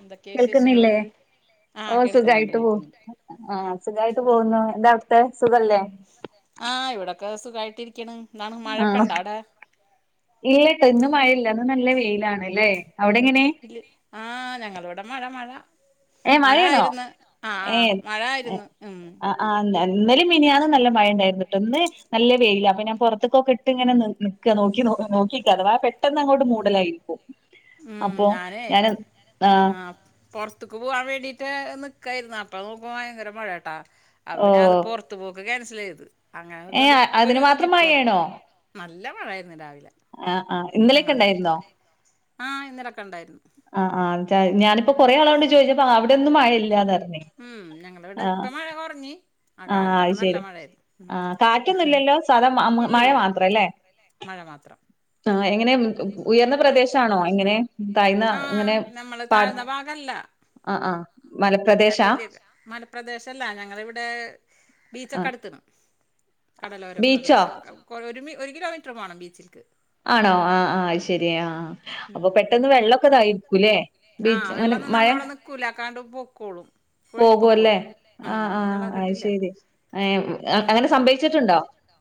എന്തൊക്കെയാ വിശേഷങ്ങള് കേൾക്കുന്നില്ലേ ആഹ് ഓ കേൾക്കുന്നുണ്ട് സുഖായിട്ട് പോ കേൾക്കുന്നുണ്ട് ആ സുഖായിട്ട് പോകുന്നു എന്താ അവിടു എന്താ അവ്ട്തെ സുഖല്ലേ ആഹ് ഇവിടൊക്കെ സുഖായിട്ടിരിക്കണ് എന്താണ് മഴൊക്കണ്ടാ അവിടെ ഇല്ലട്ട ഇന്ന് മഴയില്ല ഇന്ന്നല്ല വെയിലാണ്ല്ലേ അവിടെങ്ങനെ ആഹ് ഞങ്ങള ഇവിടെ മഴ മഴ ഏഹ് മഴയാണോ മഴായിരുന്നു ആ ആ ഏഹ് മഴയിരുന്നു ഉം ഇന്നെലി മിനിയാന്നും നല്ല മഴ ഉണ്ടായിരുന്നുട്ടോ ഇന്ന് നല്ല വെയിലാ അപ്പ ഞാൻ പുറത്ക്കൊക്കെ ഇട്ട്ങ്ങനെ നിക്ക നോക്കി നോക്കി നി അഥവാ പെട്ടെന്ന് അങ്ങോട്ട് മൂടലായിരിക്കും ഉം അപ്പോ ഞാന് ആഹ് പൊർത്ത്ക്ക് പോകാൻ വേണ്ടീട്ട് നിക്കായിരുന്നു അപ്പൊ നോക്കുമ്പോ ഭയങ്കര മഴാട്ടേ അപ്പോ ഓ പിന്നെ അത് പൊർ ത്ത്പോക്ക് ക്യാൻസലെയ്ത് അങ്ങനെ കൊണ്ട് ഏഹ് ഇപ്പൊ അതിന് ഒരു മാത്രം ഉതിപ്പ്‌വന്നു ഇപ്പൊ മഴയാണോ മഴയ്തോ നല്ല മഴയിരുന്നു രാവിലെ ആഹ് ആഹ് ഇന്നലെയൊക്കെ ഞങ്ങളെ ഉണ്ടായിരുന്നോ സ്ഥലത്തൊക്കെ ആ ഇന്നലൊക്കെ ഉണ്ടായിരുന്നു ആഹ് ആഹ് ഞാനിപ്പോ കൊറെ ആളോളോണ്ട് ചോദിച്ചപ്പൊ അവിടെന്നും മഴയില്ലാന്നർഞ് ഇവിടെ ഇപ്പ മഴ കുറഞ് ആ ആഹ് അത് കാലത്തൊക്കെ നല്ല ശരി മഴയായിരുന്നു ആഹ് കാറ്റൊന്നുംല്ലല്ലോ സാധാ കാറ്റൊന്നില്ലല്ലോ മ മ ഇല്ല ഇല്ല മഴ മാത്രല്ലേ മഴ മാത്രം തായേ ഇങ്ങനെ ഉയർന്ന പ്രദേശാണോ ഇങ്ങനെ തഴ്ന്ന ഇങ്ങനെ ആഹ് നമ്മള് പാട് താഴ്ന്ന ആഹ് ആഹ് നാളെ മലപ്രദേശാ വെള്ളി അഴ്ച്ച മലപ്രദേശല്ല ഞങ്ങളിവിടെ ബീച്ചൊക്കെ ആഹ് അടുത്ത്ണ് കടലോര ബീച്ചോ പ്രദേശം ഒരു ഒരു കിലോമീറ്റർ വേണം ബീച്ച്ൽക്ക് ആഹ് ആണോ ആഹ് അത് ആഹ് ശരി അപ്പൊ അപ്പോ പെട്ടെന്ന് വെള്ളൊക്കെ വെള്ളക്കെ ഇതായിരിക്കൂല്ലേ ഇതായിരികുലെ ബീച്ച് ആ അങ്ങനെ വെള്ളം നിന്ന മഴ നമ്മളെ ഇവ്ടെ നി ക്കൂലാ കാണ്ട്പൊക്കോളും പോകുവല്ലേ ഒഴുകിപൊക്കോളും ആഹ് ആഹ് അത് ശരി ഏഹ് അങ്ങനെ സംഭവച്ചിട്ടുണ്ടോ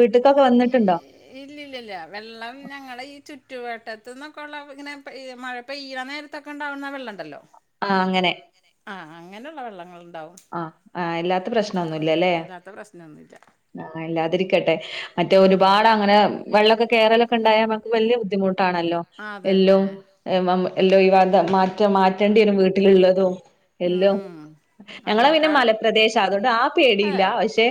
വീട്ട്ക്കൊക്കെ വന്നിട്ടുണ്ടോ ഇല്ല ഇല്ല ഇല്ലവെള്ളം ഞങ്ങള ഈ ചുറ്റുവട്ടത്‌ന്നൊക്കെള്ള ഇങ്ങനെ ഈ മഴ പെയ്യാനേരത്തൊക്കെ ഉണ്ടാവുന്ന വെള്ളണ്ടല്ലോ ആഹ് അങ്ങനെ ആഹ് അങ്ങനെള്ള വെള്ളങ്ങൾ ഉണ്ടാവും ആഹ് അല്ലാത്ത പ്രശ്നൊന്നു ഇല്ലല്ലേ പിന്നെ ഒന്നുല്ല ആഹ് ഇല്ലാതിരിക്കട്ടെ മറ്റേ ഒരുപാട് അങ്ങനെ വെള്ളക്കെ കേറെലക്കെ ഉണ്ടായാൽ നമക്ക് വലിയ ബുദ്ധിമു ട്ടാണല്ലോ അതന്നെ എല്ലും എമമ് എല്ലു ഒഴിവാത മാറ്റ മാറ്റേണ്ടിവരു വീട്ടിലുള്ളതും എല്ലും ഉം ഞങ്ങളെ പിന്നെ അങ്ങനൊക്കെ മലപ്രദേശ അതോണ്ട് ആ ഏ പേടിയില്ല പക്ഷെ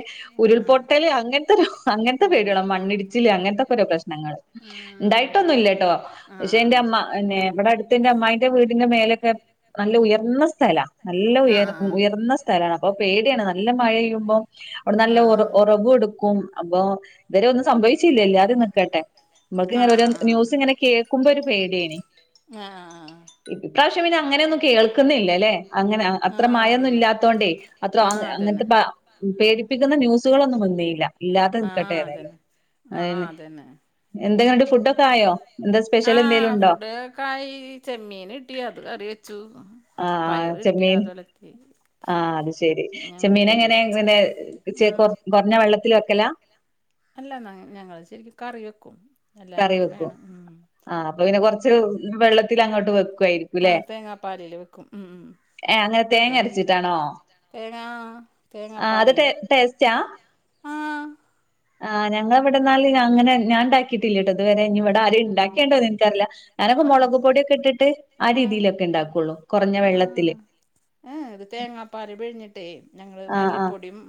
ആ ഉരുൾപൊട്ടല് അങ്ങൻത്തൊരു അങ്ങൻത്തെ ഓ പേടി ഒള്ളു മണ്ണിടിച്ചില് അങ്ങൻത്തെക്കെരോ പ്രശ്നങ്ങങ്ങള് ആ ഇണ്ടായിട്ടൊന്നുല്ലട്ടോ ആ പക്ഷെ എന്റെ അമ്മന്നെ ഇവടെ അടുത്ത് എന്റെ അമ്മായി എന്റെ വീടിന്റെ മേലൊക്കെ നല്ല ഉയർന്ന സ്ഥലാ നല്ല ആ ആ ഉയർ ആ ഉയർന്ന സ്ഥലാണ് അപ്പൊ പേടിയാണ് നല്ല മഴെയ്യുമ്പോ അവിടെ ആ ആ നല്ല ആ ഉറവ് എടുക്കും അപ്പൊ ഇത്‌വരെ ഒന്നും സംഭവിച്ചില്ല ഇല്ലാത നിക്കട്ടെ ഇമ്മക്ക് ആ ആ ഇങ്ങനെ ഒരോ ന്യൂസ് ഇങ്ങനെ കേൾക്കുമ്പോ ഒരു പേടിയേനി ആഹ് ആഹ് ആഹ് ഇപ്രാവശ്യം പിന്നെ അങ്ങനെയൊന്നും കേൾക്കുന്നില്ലലെ അങ്ങനെ ആ ആ അത്ര മഴന്നും അതന്നെ ഇല്ലാത്തോണ്ടേ അത്ര ആ അതന്നെ അങ്ങനത്തെ പ പേടിപ്പിക്കുന്ന ന്യൂസുകളൊന്നും വന്നില്ല ഇല്ലാത്തെ ആ നിൽക്കട്ടെ പറയാ അതന്നെ ആ അതന്നെ എന്ത് കണ്ട് ഫുഡ്ഒക്കെ ഫുഡ്ഒക്കെ അയോഎന്താ സ്പെഷ്യൽ എന്തെലും ഉണ്ടോ? ഒക്കായിചെമ്മീൻ കിട്ടി അത് കറി വെച്ചു പയർ കിട്ടിയഅത്‌ ഒലത്തി ആ അത് ശെരി ഞാൻ ചെമ്മീൻ ഉപ്പേരി എങ്ങനെ വെച്ച് പിന്നെ ആഹ് കുറഞ്ഞ വെള്ളത്തിൽ വെക്കലാ അല്ല ഞങ്ങൾ ശരിക്കും കറി വെക്കും എല്ലാവർക്കും വേണം ഉം. ആ അപ്പൊ പിന്നെ കൊറച്ച് വെള്ളത്തി അങ്ങോട്ട് വെക്കു കായിരിക്കുംല്ലേ ആഹ് തേങ്ങാപ്പാലില് വെക്കും ഉം ഉം ഏ അങ്ങനെ തേ തേങ്ങരച്ചിട്ടാണോ തേങ്ങാ ആ അത് തേങ്ങാപ്പാലില് ടേസ്‌റ്റാ ആഹ് ആ ഞങ്ങളെ ഇവിടെന്നാല് അങ്ങനെ ഞാൻ ഇണ്ടാക്കി കിട്ടില്ലട്ടോ ഇതുവരെ ഇനി ഇവിടെ ആരു ഉണ്ടാക്കണ്ടോ ഇന്ക്കറില്ല ഞാൻ ഒക്കെ ആഹ് മുളക് പൊടിയൊക്കെ ഇട്ടിട്ട് ആ ആഹ് രീതിയിലൊക്കെ ഉണ്ടാക്കുള്ളൂ കുറഞ്ഞ വെള്ളത്തില് ഏ ഇത് തേങ്ങാപ്പാൽ പിഴിഞ്ഞിട് ഞങ്ങൾ ആ ആ മല്ലിപ്പൊടിയും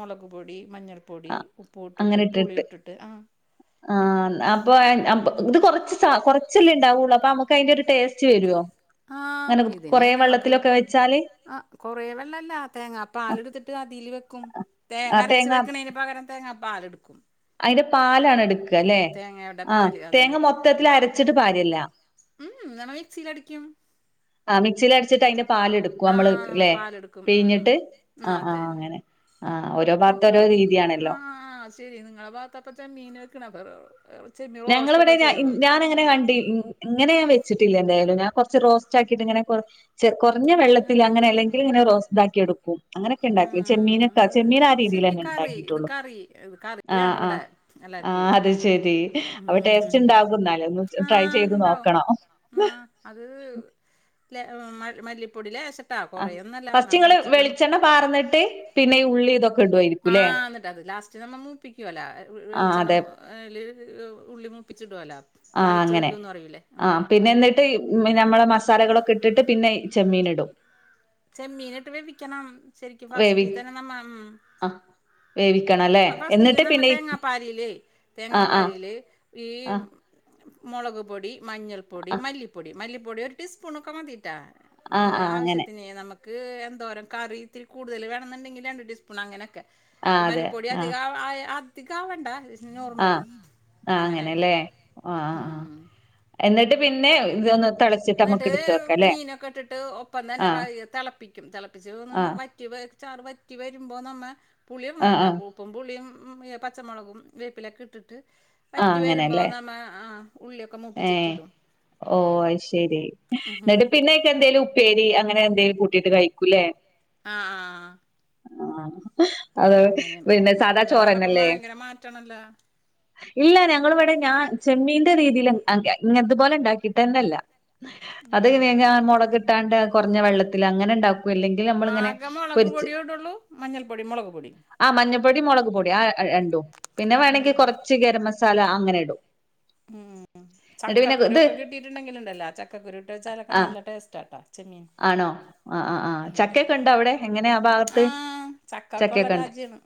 മുളക് പൊടി മഞ്ഞൾ പൊ പൊടി ആ ഉപ്പൂ ഇട്ടിട്ട് പുളി ഇട്ടിട്ട് ആഹ് ആഹ് അപ്പോ ഇത് കൊറച്ച് കൊറച്ചല്ലേ ഉണ്ടാവുള്ളൂ അപ്പോ നമ്മുക്ക് അതിന്റെ ഒരു ടേസ്റ്റ് വരുവോ ആഹ് അങ്ങനെ കൊറെ വെള്ളത്തിലൊക്കെ വെച്ചാല് കൊറെേ വെള്ളല്ല തേങ്ങ പാല് എടുത്തിട്ട് അതിൽ വെക്കും തേങ്ങ അരച്ച് വെക്കണെന് പ പകരം തേങ്ങാ പാലെടുക്കും. അയിന്റെ പാലാണ് എടുക്ക അല്ലെ തേങ്ങയുടെ ആഹ പാല് അതന്നെ തേങ്ങ മൊത്തത്തില് അരച്ചിട്ട് പാരല്ല ഉം ഇങ്ങനെ മിക്സീൽ അടിക്കും. ആ മിക്സിൽ അടിച്ചിട്ട് അതിന്റെ പാലെടുക്കും നമ്മള് ആഹ് ല്ലെ പാലെടുക്കും ഉം ഉം അതെ ആഹ് ഓരോ ഭാഗത്ത് അപ്പ ഓരോ ആ രീതിയാണല്ലോ ഹ് ആ ശരി നിങ്ങളെ ഭാഗത്തപ്പോ ചെമ്മീൻ വിക്ക്ണ് അപ്പ ഞങ്ങളിവിടെ ഞാന അങ്ങനെ കണ്ടി ഇങ്ങനെ ഞാൻ വെച്ചിട്ടില്ല എന്തായാലും ഞാൻ കുറച്ച് റോസ്റ്റ് ആക്കിയിട്ട് ഇങ്ങനെ കുറ കുറഞ്ഞ വെള്ളത്തില് വെള്ളത്തിൽ അങ്ങനെ അല്ലെ അല്ലെങ്കിൽ ഇങ്ങനെ റോസ്ഡാക്കി എടുക്കും. അങ്ങനെയൊക്കെ ഉണ്ടാക്കി ഉം ചെമ്മീനൊക്കെ ഇത് ചെമ്മീൻ ആ ഇത് രീതിൽ ശരിക്ക് തന്നെ കറി ഇത് ഉണ്ടാക്കിട്ടുള്ളു കറി ഇത് കറി ആഹ് വേണം ഇവിടെ ആഹ് എല്ലാർക്കുവേ ആഹ് അത് ശെരി അപ്പ ടേസ്റ്റ് ഉം ഉണ്ടാകും എന്നാൽ ഒന്ന് ട്രൈ ആഹ് ചെയ്ത് ഇണ്ടാവും നോക്കണം. ആഹ് അത്ലേ മല്ലിപ്പൊടി ലേശം ട്ടാ ആ കുറയൊന്നല്ല ഫസ്റ്റ് നാം നിങ്ങള് വെളിച്ചെണ്ണ പാർന്നിട്ട് പിന്നെ ഈ ഉള്ളി ഇതൊക്കെ [unintelligible] ഇടുവായിരിക്കുംല്ലേ ആഹ് എന്നിട്ട് അത് ലാസ്റ്റ് നമ്മൾ മൂപ്പിക്കുവല്ലോ ആ വെളിച്ചെണ്ണ അതെ മു അതിൽ ഉള്ളിമൂപ്പിച്ചിടൊലോ ആഹ് അങ്ങനെ ആഹ് പിന്നെ എന്നി നമ്മളെ സാലകളൊക്കെ ഇട്ടിട്ട് പിന്നെ ചെമ്മീൻ ഇടും. ചെമ്മീൻ ഇട്ട് വേവിക്കണം ശെരിക്കും വേവി ഫസ്റ്റീ തന്നെ നമ്മമ് ആഹ് വേവിക്കണം അല്ലേ ഫസ്റ്റീല് എന്നിട്ട് നമ്മൾ പിന്നെ തേങ്ങാപ്പാലില് ആഹ് തേങ്ങാപ്പാലീല് ഈ ആഹ് മുളക് പൊടി, മഞ്ഞൾപ്പൊടി, ആഹ് ആഹ് മല്ലിപ്പൊടി മല്ലിപ്പൊടി ഒരു ടീസ്പൂണ്ക്കെ മതി ട്ടോ ആഹ് നമ്മള് ആഹ് അങ്ങനെ ആവശ്യത്തി പിന്നെ നമുക്ക് എന്തോരം കറിത്തിരി കൂടുതൽ വേണെന്നുണ്ടെങ്കിൽ രണ്ടു ടീസ്പൂൺ അങ്ങനെയൊക്കെ ആഹ് അതെ മല്ലിപ്പൊടി അധിക ആഹ് ആവ ആയ അധിക ആവണ്ട നോർമല് ആഹ് ആഹ് അങ്ങനായിട്ട് അങ്ങനെല്ലേ ആഹ് ആഹ് ആഹ് ഉം. എന്നിട്ട് പിന്നെ ഇതൊന്ന് തിളച്ചിട്ട് നമുക്ക് എന്നിട്ട് എടുത്ത് വെക്കാം അല്ലേ മീനൊക്കെ ഇട്ടിട്ട് ഒപ്പം തന്നെ ആഹ് തിളപ്പിക്കും തിളപ്പിച്ച് ഒന്ന് ആഹ് വറ്റി ചാറ് വറ്റി വരുമ്പോൾ നമ്മ പുളി ഇടണം ആഹ് ട്ടോ ആഹ് പൂപ്പും പുളിയും പച്ചമുളകും വേപ്പിലൊക്കെ ഇട്ടിട്ട് ആഹ് വറ്റി വരുമ്പോ അങ്ങനെല്ലേ നമ്മ ആ ഉള്ളിയൊക്കെ ഏഹ് മൂപ്പിച്ചിട്ടിടും ഓഹ് അത് ശരി ഉം ഹും. ന്നിട്ട് പിന്നെ എന്തേലും ഉപ്പേരി അങ്ങനെ എന്തേലും കൂട്ടീട്ട് കഴിക്കൂലേ ആഹ് ആഹ് ആഹ് അത് പിന്നെ സാദാ ചോറന്നല്ലെ മാറ്റണല്ലോ ഇല്ല ഞങ്ങളിവിടെ ഞാൻ ചെമ്മീന്റെ രീതിയിൽ ഇത്പോലെ ഇണ്ടാക്കിയിട്ടന്നല്ല അത് എങ്ങനെ ഉം ഞാൻ മുളകിട്ടാണ്ട് കുറഞ്ഞ വെള്ളത്തിൽ അങ്ങനെ ഇ ണ്ടാക്കൂ അല്ലെങ്കിൽ ന ആക മൊളക് പൊടിയോ ഇടുള്ളൂ മഞ്ഞൾപ്പൊടി മുളക് പൊടിയും ആ മഞ്ഞപ്പൊടി മൊളക് പൊടി ആ രണ്ടും പിന്നെ ആ വേണെങ്കിൽ കുറച്ച് ഗരം മസാല അങ്ങനെ ഇടും ഉം എന്നിട്ട് പിന്നെ ഇത് ചക്കകുരുവൊക്കെ കിട്ടിട്ടുണ്ടെങ്കിലുണ്ടല്ലോ ചക്കക്കുരു ഇട്ട് വച്ചാലൊക്കെ ആ നല്ല ടേസ്റ്റാ ട്ടോ ചെമ്മീൻ ആഹ് ആ ആ ഉം ചക്കെക്കെ ഇൻണ്ടോ അവിടെ എങ്ങനെ ആ ഭാഗത്ത് ആഹ് ചക്കക്കൊള്ള ചക്കൊക്കെ ഇണ്ടോ രാജ്യാണ്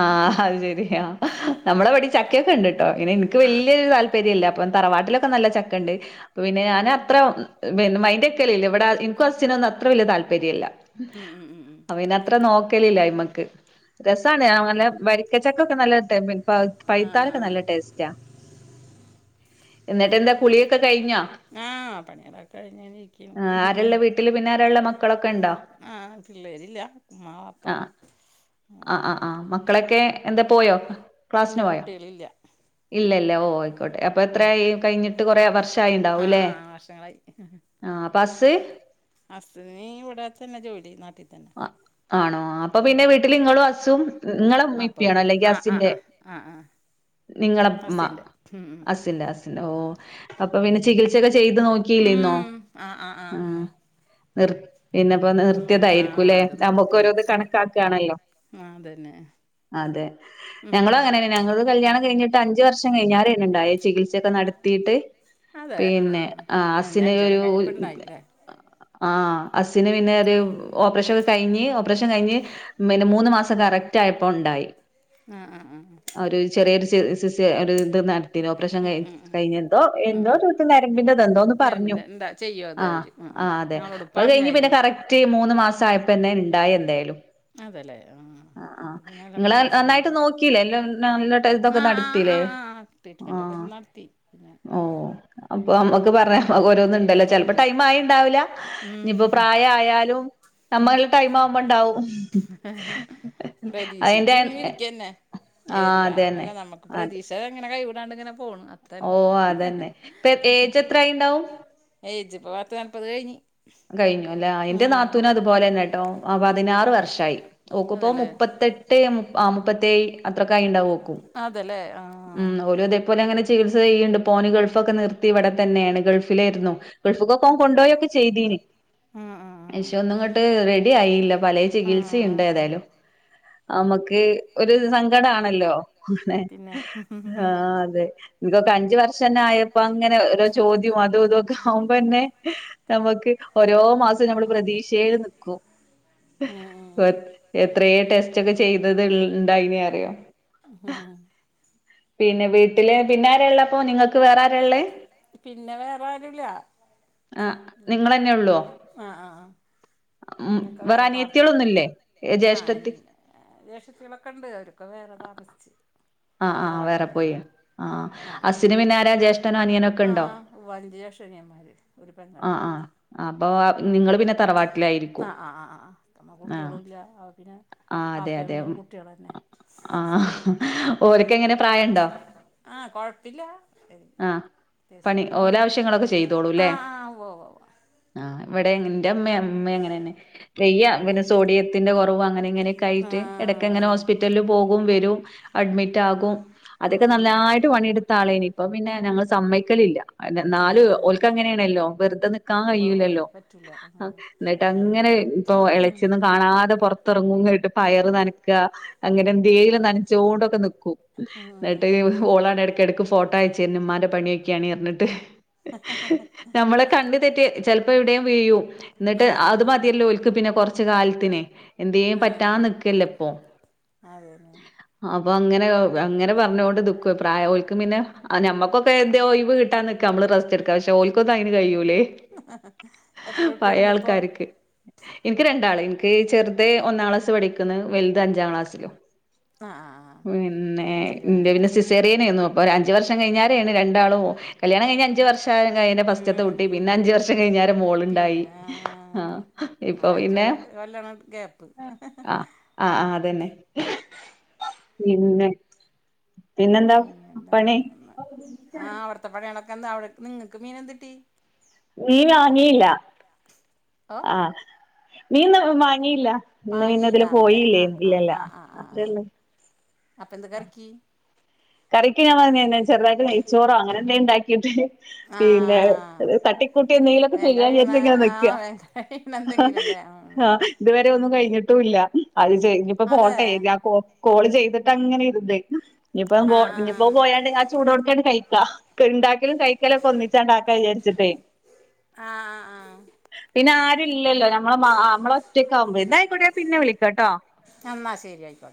അഹ് ആ അത് ശെരി നമ്മളവിടീം ചക്കയൊക്കെ ഉണ്ട് ട്ടോ ഇങ്ങനെ എനിക്ക് ആഹ് വലിയൊരു താല്പര്യ ര്യയല്ല അപ്പം തറവാട്ടിലൊക്കെ നല്ല ചക്ക ഇണ്ട് പിന്നെ ഞാൻ അത്ര പിന്നെ മയിന്റ് വെക്കലില്ല എനിക്കും അച്ഛനൊന്നും അത്ര വലിയ താല്പര്യല്ല ഉം ഉം ഉം ഉം ഉം അപ്പ പിന്നെ അത്ര നോക്കലില്ല അയ്മക്ക് രസാണ് നല്ല വരിക്കച്ചക്കൊക്കെ നല്ല പയിത്താെലൊക്കെ ആഹ് നല്ല ടേസ്റ്റാ ഇന്നിട്ടെന്താ കുളിയൊക്കെ കഴിഞ്ഞോ ആഹ് പണികളൊക്കെ കഴിഞ്ഞിങ്ങനെ ഇരിക്ക്ണു ആരേള്ള വീട്ടില് പിന്നാരാള്ളേ മ ആ പിള്ളേരില്ല ഇമ്മ ബാപ്പ ആ മക്കളക്കെ എന്തെ പോയോ ക്ലാസ്സിന് ഇല്ല പോയോ കുട്ടികളില്ല ഇല്ല ഇല്ല ഓ അപ്പൊ എത്രയായി കഴിഞ്ഞിട്ട് കൊറെ ആഹ് വർഷായിട്ടുണ്ടാവൂല്ലേ ആഹ് വർഷങ്ങളായി ആ പ്പോ ഹസ് അസ്സിനി ഇവിട തന്നെ ജോലി നാട്ടിൽ തന്നെ ആണോ അപ്പൊ പിന്നെ വീട്ടില് നിങ്ങളും അസ്സും അപ്പം നിങ്ങളെമ്മപ്പ്യണോ അല്ലെങ്കിൽ ആഹ് ആഹ് അസിന്റെ ആഹ് ആഹ് ആഹ് നിങ്ങളുമ്മ ഹസ്സിൻ്റെ ഉം ഉം അസിന്റെ അസിന്റെ ഓ അപ്പ പിന്നെ ചികി ചികിത്സയൊക്കെ ചെയ്ത് നോക്കില്ലേനോ ഉം ആഹ് ആഹ് ആ ആഹ് നിർ പിന്നെപ്പോ നിർത്തിയതായിരിക്കും ആഹ് അത് നമ്മുക്ക് നിർത്തി ഓരോത് നിർത്തി കണക്കാക്കയാണല്ലോ ആഹ് അതന്നെ അതെ ഉം ഞങ്ങള ഉം അങ്ങനെന്ന ഞങ്ങള്ത് കല്യാണം കഴിഞ്ഞിട്ട് അഞ്ച് വർഷം കഴിഞ്ഞാല തന്നെണ്ടായേ ചികിത്സയൊക്കെ ത്തീട്ട് അതെ ആഹ് പിന്നെ ആഹ് ആ ആഹ് ഞാൻ അസിന് അഞ്ച് ഒരു കൊല്ലം കഴിഞ്ഞപ്പോ ഇണ്ടായി ല്ലേ ആ അസ്സിന് പിന്നെ ഒരു ഓപ്പറേഷൻ ഒക്കെ കഴിഞ്ഞ് ഓപ്പറേഷൻ കഴിഞ്ഞ് പിന്നെ മൂന്ന് മാസം കറക്റ്റായപ്പോ ഉണ്ടായി ആ ആ ആ ആ ഒരു ചെറിയൊരു സി ഇത് ഓപ്പറേഷൻ ഉം ക ഉം ഉം കഴിഞ്ഞ എന്തോ ഉം എന്തോ ഉം ചോയ്ച്ച് നരമ്പിന്റെത് എന്തോന്ന് ഞാൻ പറഞ്ഞു പിന്നെ എന്താ ചെയ്യും അത് ആ അവര് ഉം ആ ഉം അതെ ഞങ്ങളോട് അപ്പൊ അത് കഴിഞ്ഞ് പിന്നെ പറഞ്ഞായിരുന്നു കറക്റ്റ് മൂന്ന് മാസം ട്ടായപ്പന്നെ ഇണ്ടായി എന്തായാലും അതെല്ലേ ആഹ് പിന്നെ നിങ്ങ അൽഹംദുലില്ലാഹ് നന്നായിട്ട് സമാധാനം നോക്കി എല്ലാം നല്ലട്ട ഇതൊക്കെ ആഹ് ആഹ് നടത്തില്ലേ ആഹ് ആഹ് ആ ട്രീറ്റ്മെന്റ് ഒക്കെ നടത്തി പിന്നെ ആ ഓ അപ്പൊ നമ്മുക്ക് പറയാ ദൈവം ഓരോന്നുണ്ടല്ലോ ചിലപ്പോ തന്നീല ടൈം ആയിട്ടുണ്ടാവില്ല ഇനിപ്പം പ്രായായാലും നമ്മൾ ഉം ടൈം ആവുമ്പോണ്ടാവും പ്രതീക്ഷിച്ച് അതിന്റെ ഇങ്ങനെ ഇരിക്കന്നെ ആ അതന്നെ അതെ പടച്ചോനങ്ങനെ കൈവിടാണ്ട് ഇങ്ങനെ പോണ് അത്രന്നെ അതന്നെ ഇപ്പ ഏജ് എത്രായിണ്ടാവും ഏജിപ്പം പത്ത് നാപത് കഴിഞ്ഞ് കഴിഞ്ഞു ല്ലേ എന്റെ ഉം നാത്തൂന അതുപോലെ തന്നെ ട്ടോ ആ ഉം പതിനാറ് വർഷായി ഓക്പ്പോ അതെല്ലേ മുപ്പത്തെട്ട് ആ മുപ്പത്തേയ് അത്രക്കായിണ്ടാവും ഓക്കും അതെല്ലേ ആ മ് ഓലിതേപോലെങ്ങനെ ചികിത്സ ചെയ്യണ്ട് ഇപ്പോന് ഗൾഫൊക്കെ നിർത്തി ഇവിടെ തന്നെയാണ് ഗൾഫിലായിരുന്നു ഗൾഫ് ക്കൊക്കേ ഓൻ കൊണ്ടോയൊക്കെ ചെയ്തീന് ഉം ഉം ഉം ശെ ഒന്നും ങ്ങ ട്ട് റെഡി ആയില്ല പല ആയില്ല ചികിത്സണ്ട് ഏതായാലും അമക്ക് ഒരു സങ്കട ആണല്ലോ പതിനഞ്ച് മിനിറ്റ് ഓനെ ഉണ്ട് ഏതായാലും പിന്നെ ഉം ആ അതെ ഇൻക്കൊക്കേ അഞ്ചുവർഷന്നെ ആയപ്പ അങ്ങനെ ഓരോ ചോദ്യവും അതും ഇതൊക്കെ ആവുമ്പോന്നെ നമുക്ക് ഓരോ മാസം നമ്മൾ പ്രതീക്ഷയില് നിക്കും ഉം എത്രയേ ടെസ്റ്റ് ച്ചൊക്കെ ചെയ്തത് ഇണ്ടായി ന് അറിയോ [unintelligible] പിന്നെ വീട്ട് വീട്ടില് പിന്നാര്ളുള്ളപ്പോൾനിങ്ങക്ക് വേറെരാള്ള് വേറാരൂല്ല ആ മ് നിങ്ങളന്നെ ഉള്ളോ നിങ്ങളന്നെള്ളൂ ഉം പിന്നൊക്കെ വേറെ പാർത്ത് പിന്നെ വേറെ അനിയത്തിയേ അനിയത്തികളൊന്നുംല്ലേ ളൊന്നുംല്ലേ ആഹ ജ്യേഷ്ഠത്തി ഇണ്ട് ജേഷ്ട്ടത്തിയാളക്കെണ്ട് അവരൊക്കെ വേറെ താമസിച്ച് ആ് ആഹ് വേറെ തറവാട്ടില് പോയി ഞാൻ ആഹ് അസ്സിനു പിന്നാര ജ്യേഷ്ഠനോ അനിയനൊക്കെ ഉണ്ടോ ആഹ് അഞ്ച് ജേഷ്ഠ്യൻന്മാർഒരു പെങ്ങൾ ആഹ് ആഹ് അപ്പൊ നിങ്ങള് പിന്നെ തറവാട്ടിലായിരിക്കും ആഹ് ആഹ് ആഹ് ആഹ് നമ്മ ആഹ കുട്ടികളുല്ല അപ്പ പിന്നെ ആഹ് അതെ വാപ്പയും അതെ ഉമ്മയും കുട്ടികളന്നെ ആഹ് ഓൽക്കെ ങ്ങനെ പ്രായണ്ടോ ആഹ് കൊഴപ്പില്ല ആഹ് പണി ഓലെ ആവശ്യങ്ങളൊക്കെ ചെയ്തോളൂല്ലേ ആഹ് ആഹ് ഉവ്വോ ഉവ്വ് ആഹ് ഇവടേം ന്റെ മ്മേം മ്മേം അങ്ങനെ ന്നെ ഉം വെയ്യ ഉം പിന്നെ സോഡിയ ത്തിന്റെ കൊറവും അങ്ങനെ ങ്ങനെക്കെ ആയിറ്റ് എടക്ക ങ്ങനെ ആഹ് ഹോസ്പിറ്റലില് പോകും വെരും അഡ്മിറ്റാകും അത്യോക്കെ ഉം നന്നായിട്ട് പണിയെടുത്ത ആളേന് ഇപ്പ പിന്നെ ഞങ്ങള് സമ്മയ്ക്കലില്ല ന്നാലും ആഹ് ഓൽക്ക ങ്ങനേണല്ലോ വെർതെ നിക്കാൻ ഉവ്വ് ഉവ്വ് കഴൂലല്ലോ പറ്റൂല ആഹ് ന്ന്ട്ട അങ്ങനെ ഇപ്പൊ എളച്യോന്നും കാണാതെ പൊർത്തെർങ്ങും ങ്ങട്ട് പയർ നനക്കാ അങ്ങനെ എന്തേലും നനച്ചോണ്ടൊ ക്കെ ന്ക്കും ന്ന്ട്ട് ഉം ഓളാണ് എടക്കെടക്ക് ഫോട്ടോ അയച്ചെര്ണു മ്മാന്റെ പണ്യോക്ക്യാണീം പർഞ്ഞിട്ട് [unintelligible] നമ്മളെ കണ്ട് ന്ന്റ്റ് ചെൽപ്പോ എവടേയും വീയ്യും ന്ന്ട്ട് അത് ആഹ് മത്യേല്ലോ ഓൽക്ക് പിന്നെ കൊർച്ച് കാലത്തിന് എന്തേം പറ്റാ ആഹ് നിക്കല്ല പ്പൊ അതേല്ലേ അപ്പൊ അങ്ങനെ അങ്ങനെ പറഞ്ഞോണ്ട് ന്ക്കൊയ് പ്രായോൽക്ക് പിന്നെ നമ്മക്കൊക്കെ എന്തേ ഒയ്വ്വ് കിട്ടാൻ നി നമ്മള് റസ്റ്റ് എടുക്കാ പക്ഷെ ഓൽക്കൊന്നയ് ന് കഴിയൂല്ലേ എത്ര കുട്ട്യാള്ണ്ട് പ്പോ ഇൻക്ക് രണ്ടാള് ഇൻക്ക് ചെർത് ഒന്നാം ക്ലാസ് പഠിക്ക്ണ് വൽത് അഞ്ചാം ക്ലാസ്സിൽ ആഹ് ആഹ് ആഹ് പിന്നെ ന്റെ പിന്നെ സിസേറിയനേന്നു പ്പൊ ഒരു അഞ്ച വർഷം കഴിഞ്ഞരേണ് രണ്ടാളും കല്യാണം കൈഞ്ഞ് അഞ്ച വർഷം കൈഞ്ഞ് ഫാസ്റ്റ്ത്തെ ഉം കുട്ടി ഉം പിന്ന ഞ്ജ് വർഷം കൈഞ്ഞാരെ മോള്ണ്ടായി പിന്നെ ആഹ് ഇപ്പ അങ്ങനെ അഞ്ച് പിന്നെ കൊല്ലാണ് ഗ്യാപ്പ് ആഹ് ആഹ് അതന്നെ പിന്നെ പിന്നെന്താ പിന്നെ എന്താണ് പണി ആഹ് അവട്ത്തെ പണ്യാളൊക്കെ ന്താ അവടെ നിങ്ങക്ക് മീനെന്ത്ട്ടി മീം വാങ്ങീല്ല ഓ ആഹ് മീന്ന് വാങ്ങീല്ല ഇന്ന് മീന് ഇതിലെ വാങ്ങീലാന്നല്ലേ പോയീല്ലേ ആഹ് ആഹ് ഇല്ലല്ല ആഹ് ആഹ് ആഹ് ആഹ് അപ്പൊ എന്താ കറിക്കി കറിക്ക് ഞാൻ [unintelligible] ചെറുതായിട്ട് നെയ്ച്ചോറോ അങ്ങനെന്തേം ഇണ്ടാക്കീട്ട് പിന്നെ ആഹ് ഏഹ് തട്ടി ക്കൂട്ടി എന്തെങ്കിലൊക്കെ വേഗം ചെയ്യാന്ന് കഴിയണ വിചാരിച്ച്ങ്ങനെ നിക്കാ ആഹ് വേഗം കഴിയണ എന്തെങ്കിലും അല്ലേ ഉം ആഹ് [inaudible] ഇത് വരെ ഒന്നും കൈഞ്ഞ്ട്ടൂല്ലാ അത് ചെയ് ഇഞ്ഞിപ്പോ അതെ പോറോട്ടെ [unintelligible] കോള് ചെയ്ത്ട്ടങ്ങനെ ഇര്ന്ന് ഇഞ്ഞിപ്പൊ ആഹ് ആഹ് ഇഞ്ഞിപ്പൊ ആഹ് പോയാണ്ട് ആ ചൂടോട്ക്കാണ്ട് കൈക്കാ ഇണ്ടാക്കലും കൈക്കലൊക്കെ ഒന്നിച്ചാണ്ടാക്കാ വിചാരിച്ച്ട്ടേയ് ആഹ് ആഹ് ആഹ് പിന്നെ ആരൂല്ലല്ലോ നമ്മളെ മാഹാ നമ്മളൊറ്റക്കാവുമ്പെ ഇന്നാ ഐക്കോട്ടെ പിന്നെ വിളിക്കട്ടോ എന്നാ ശെരി ഐക്കോട്ടെ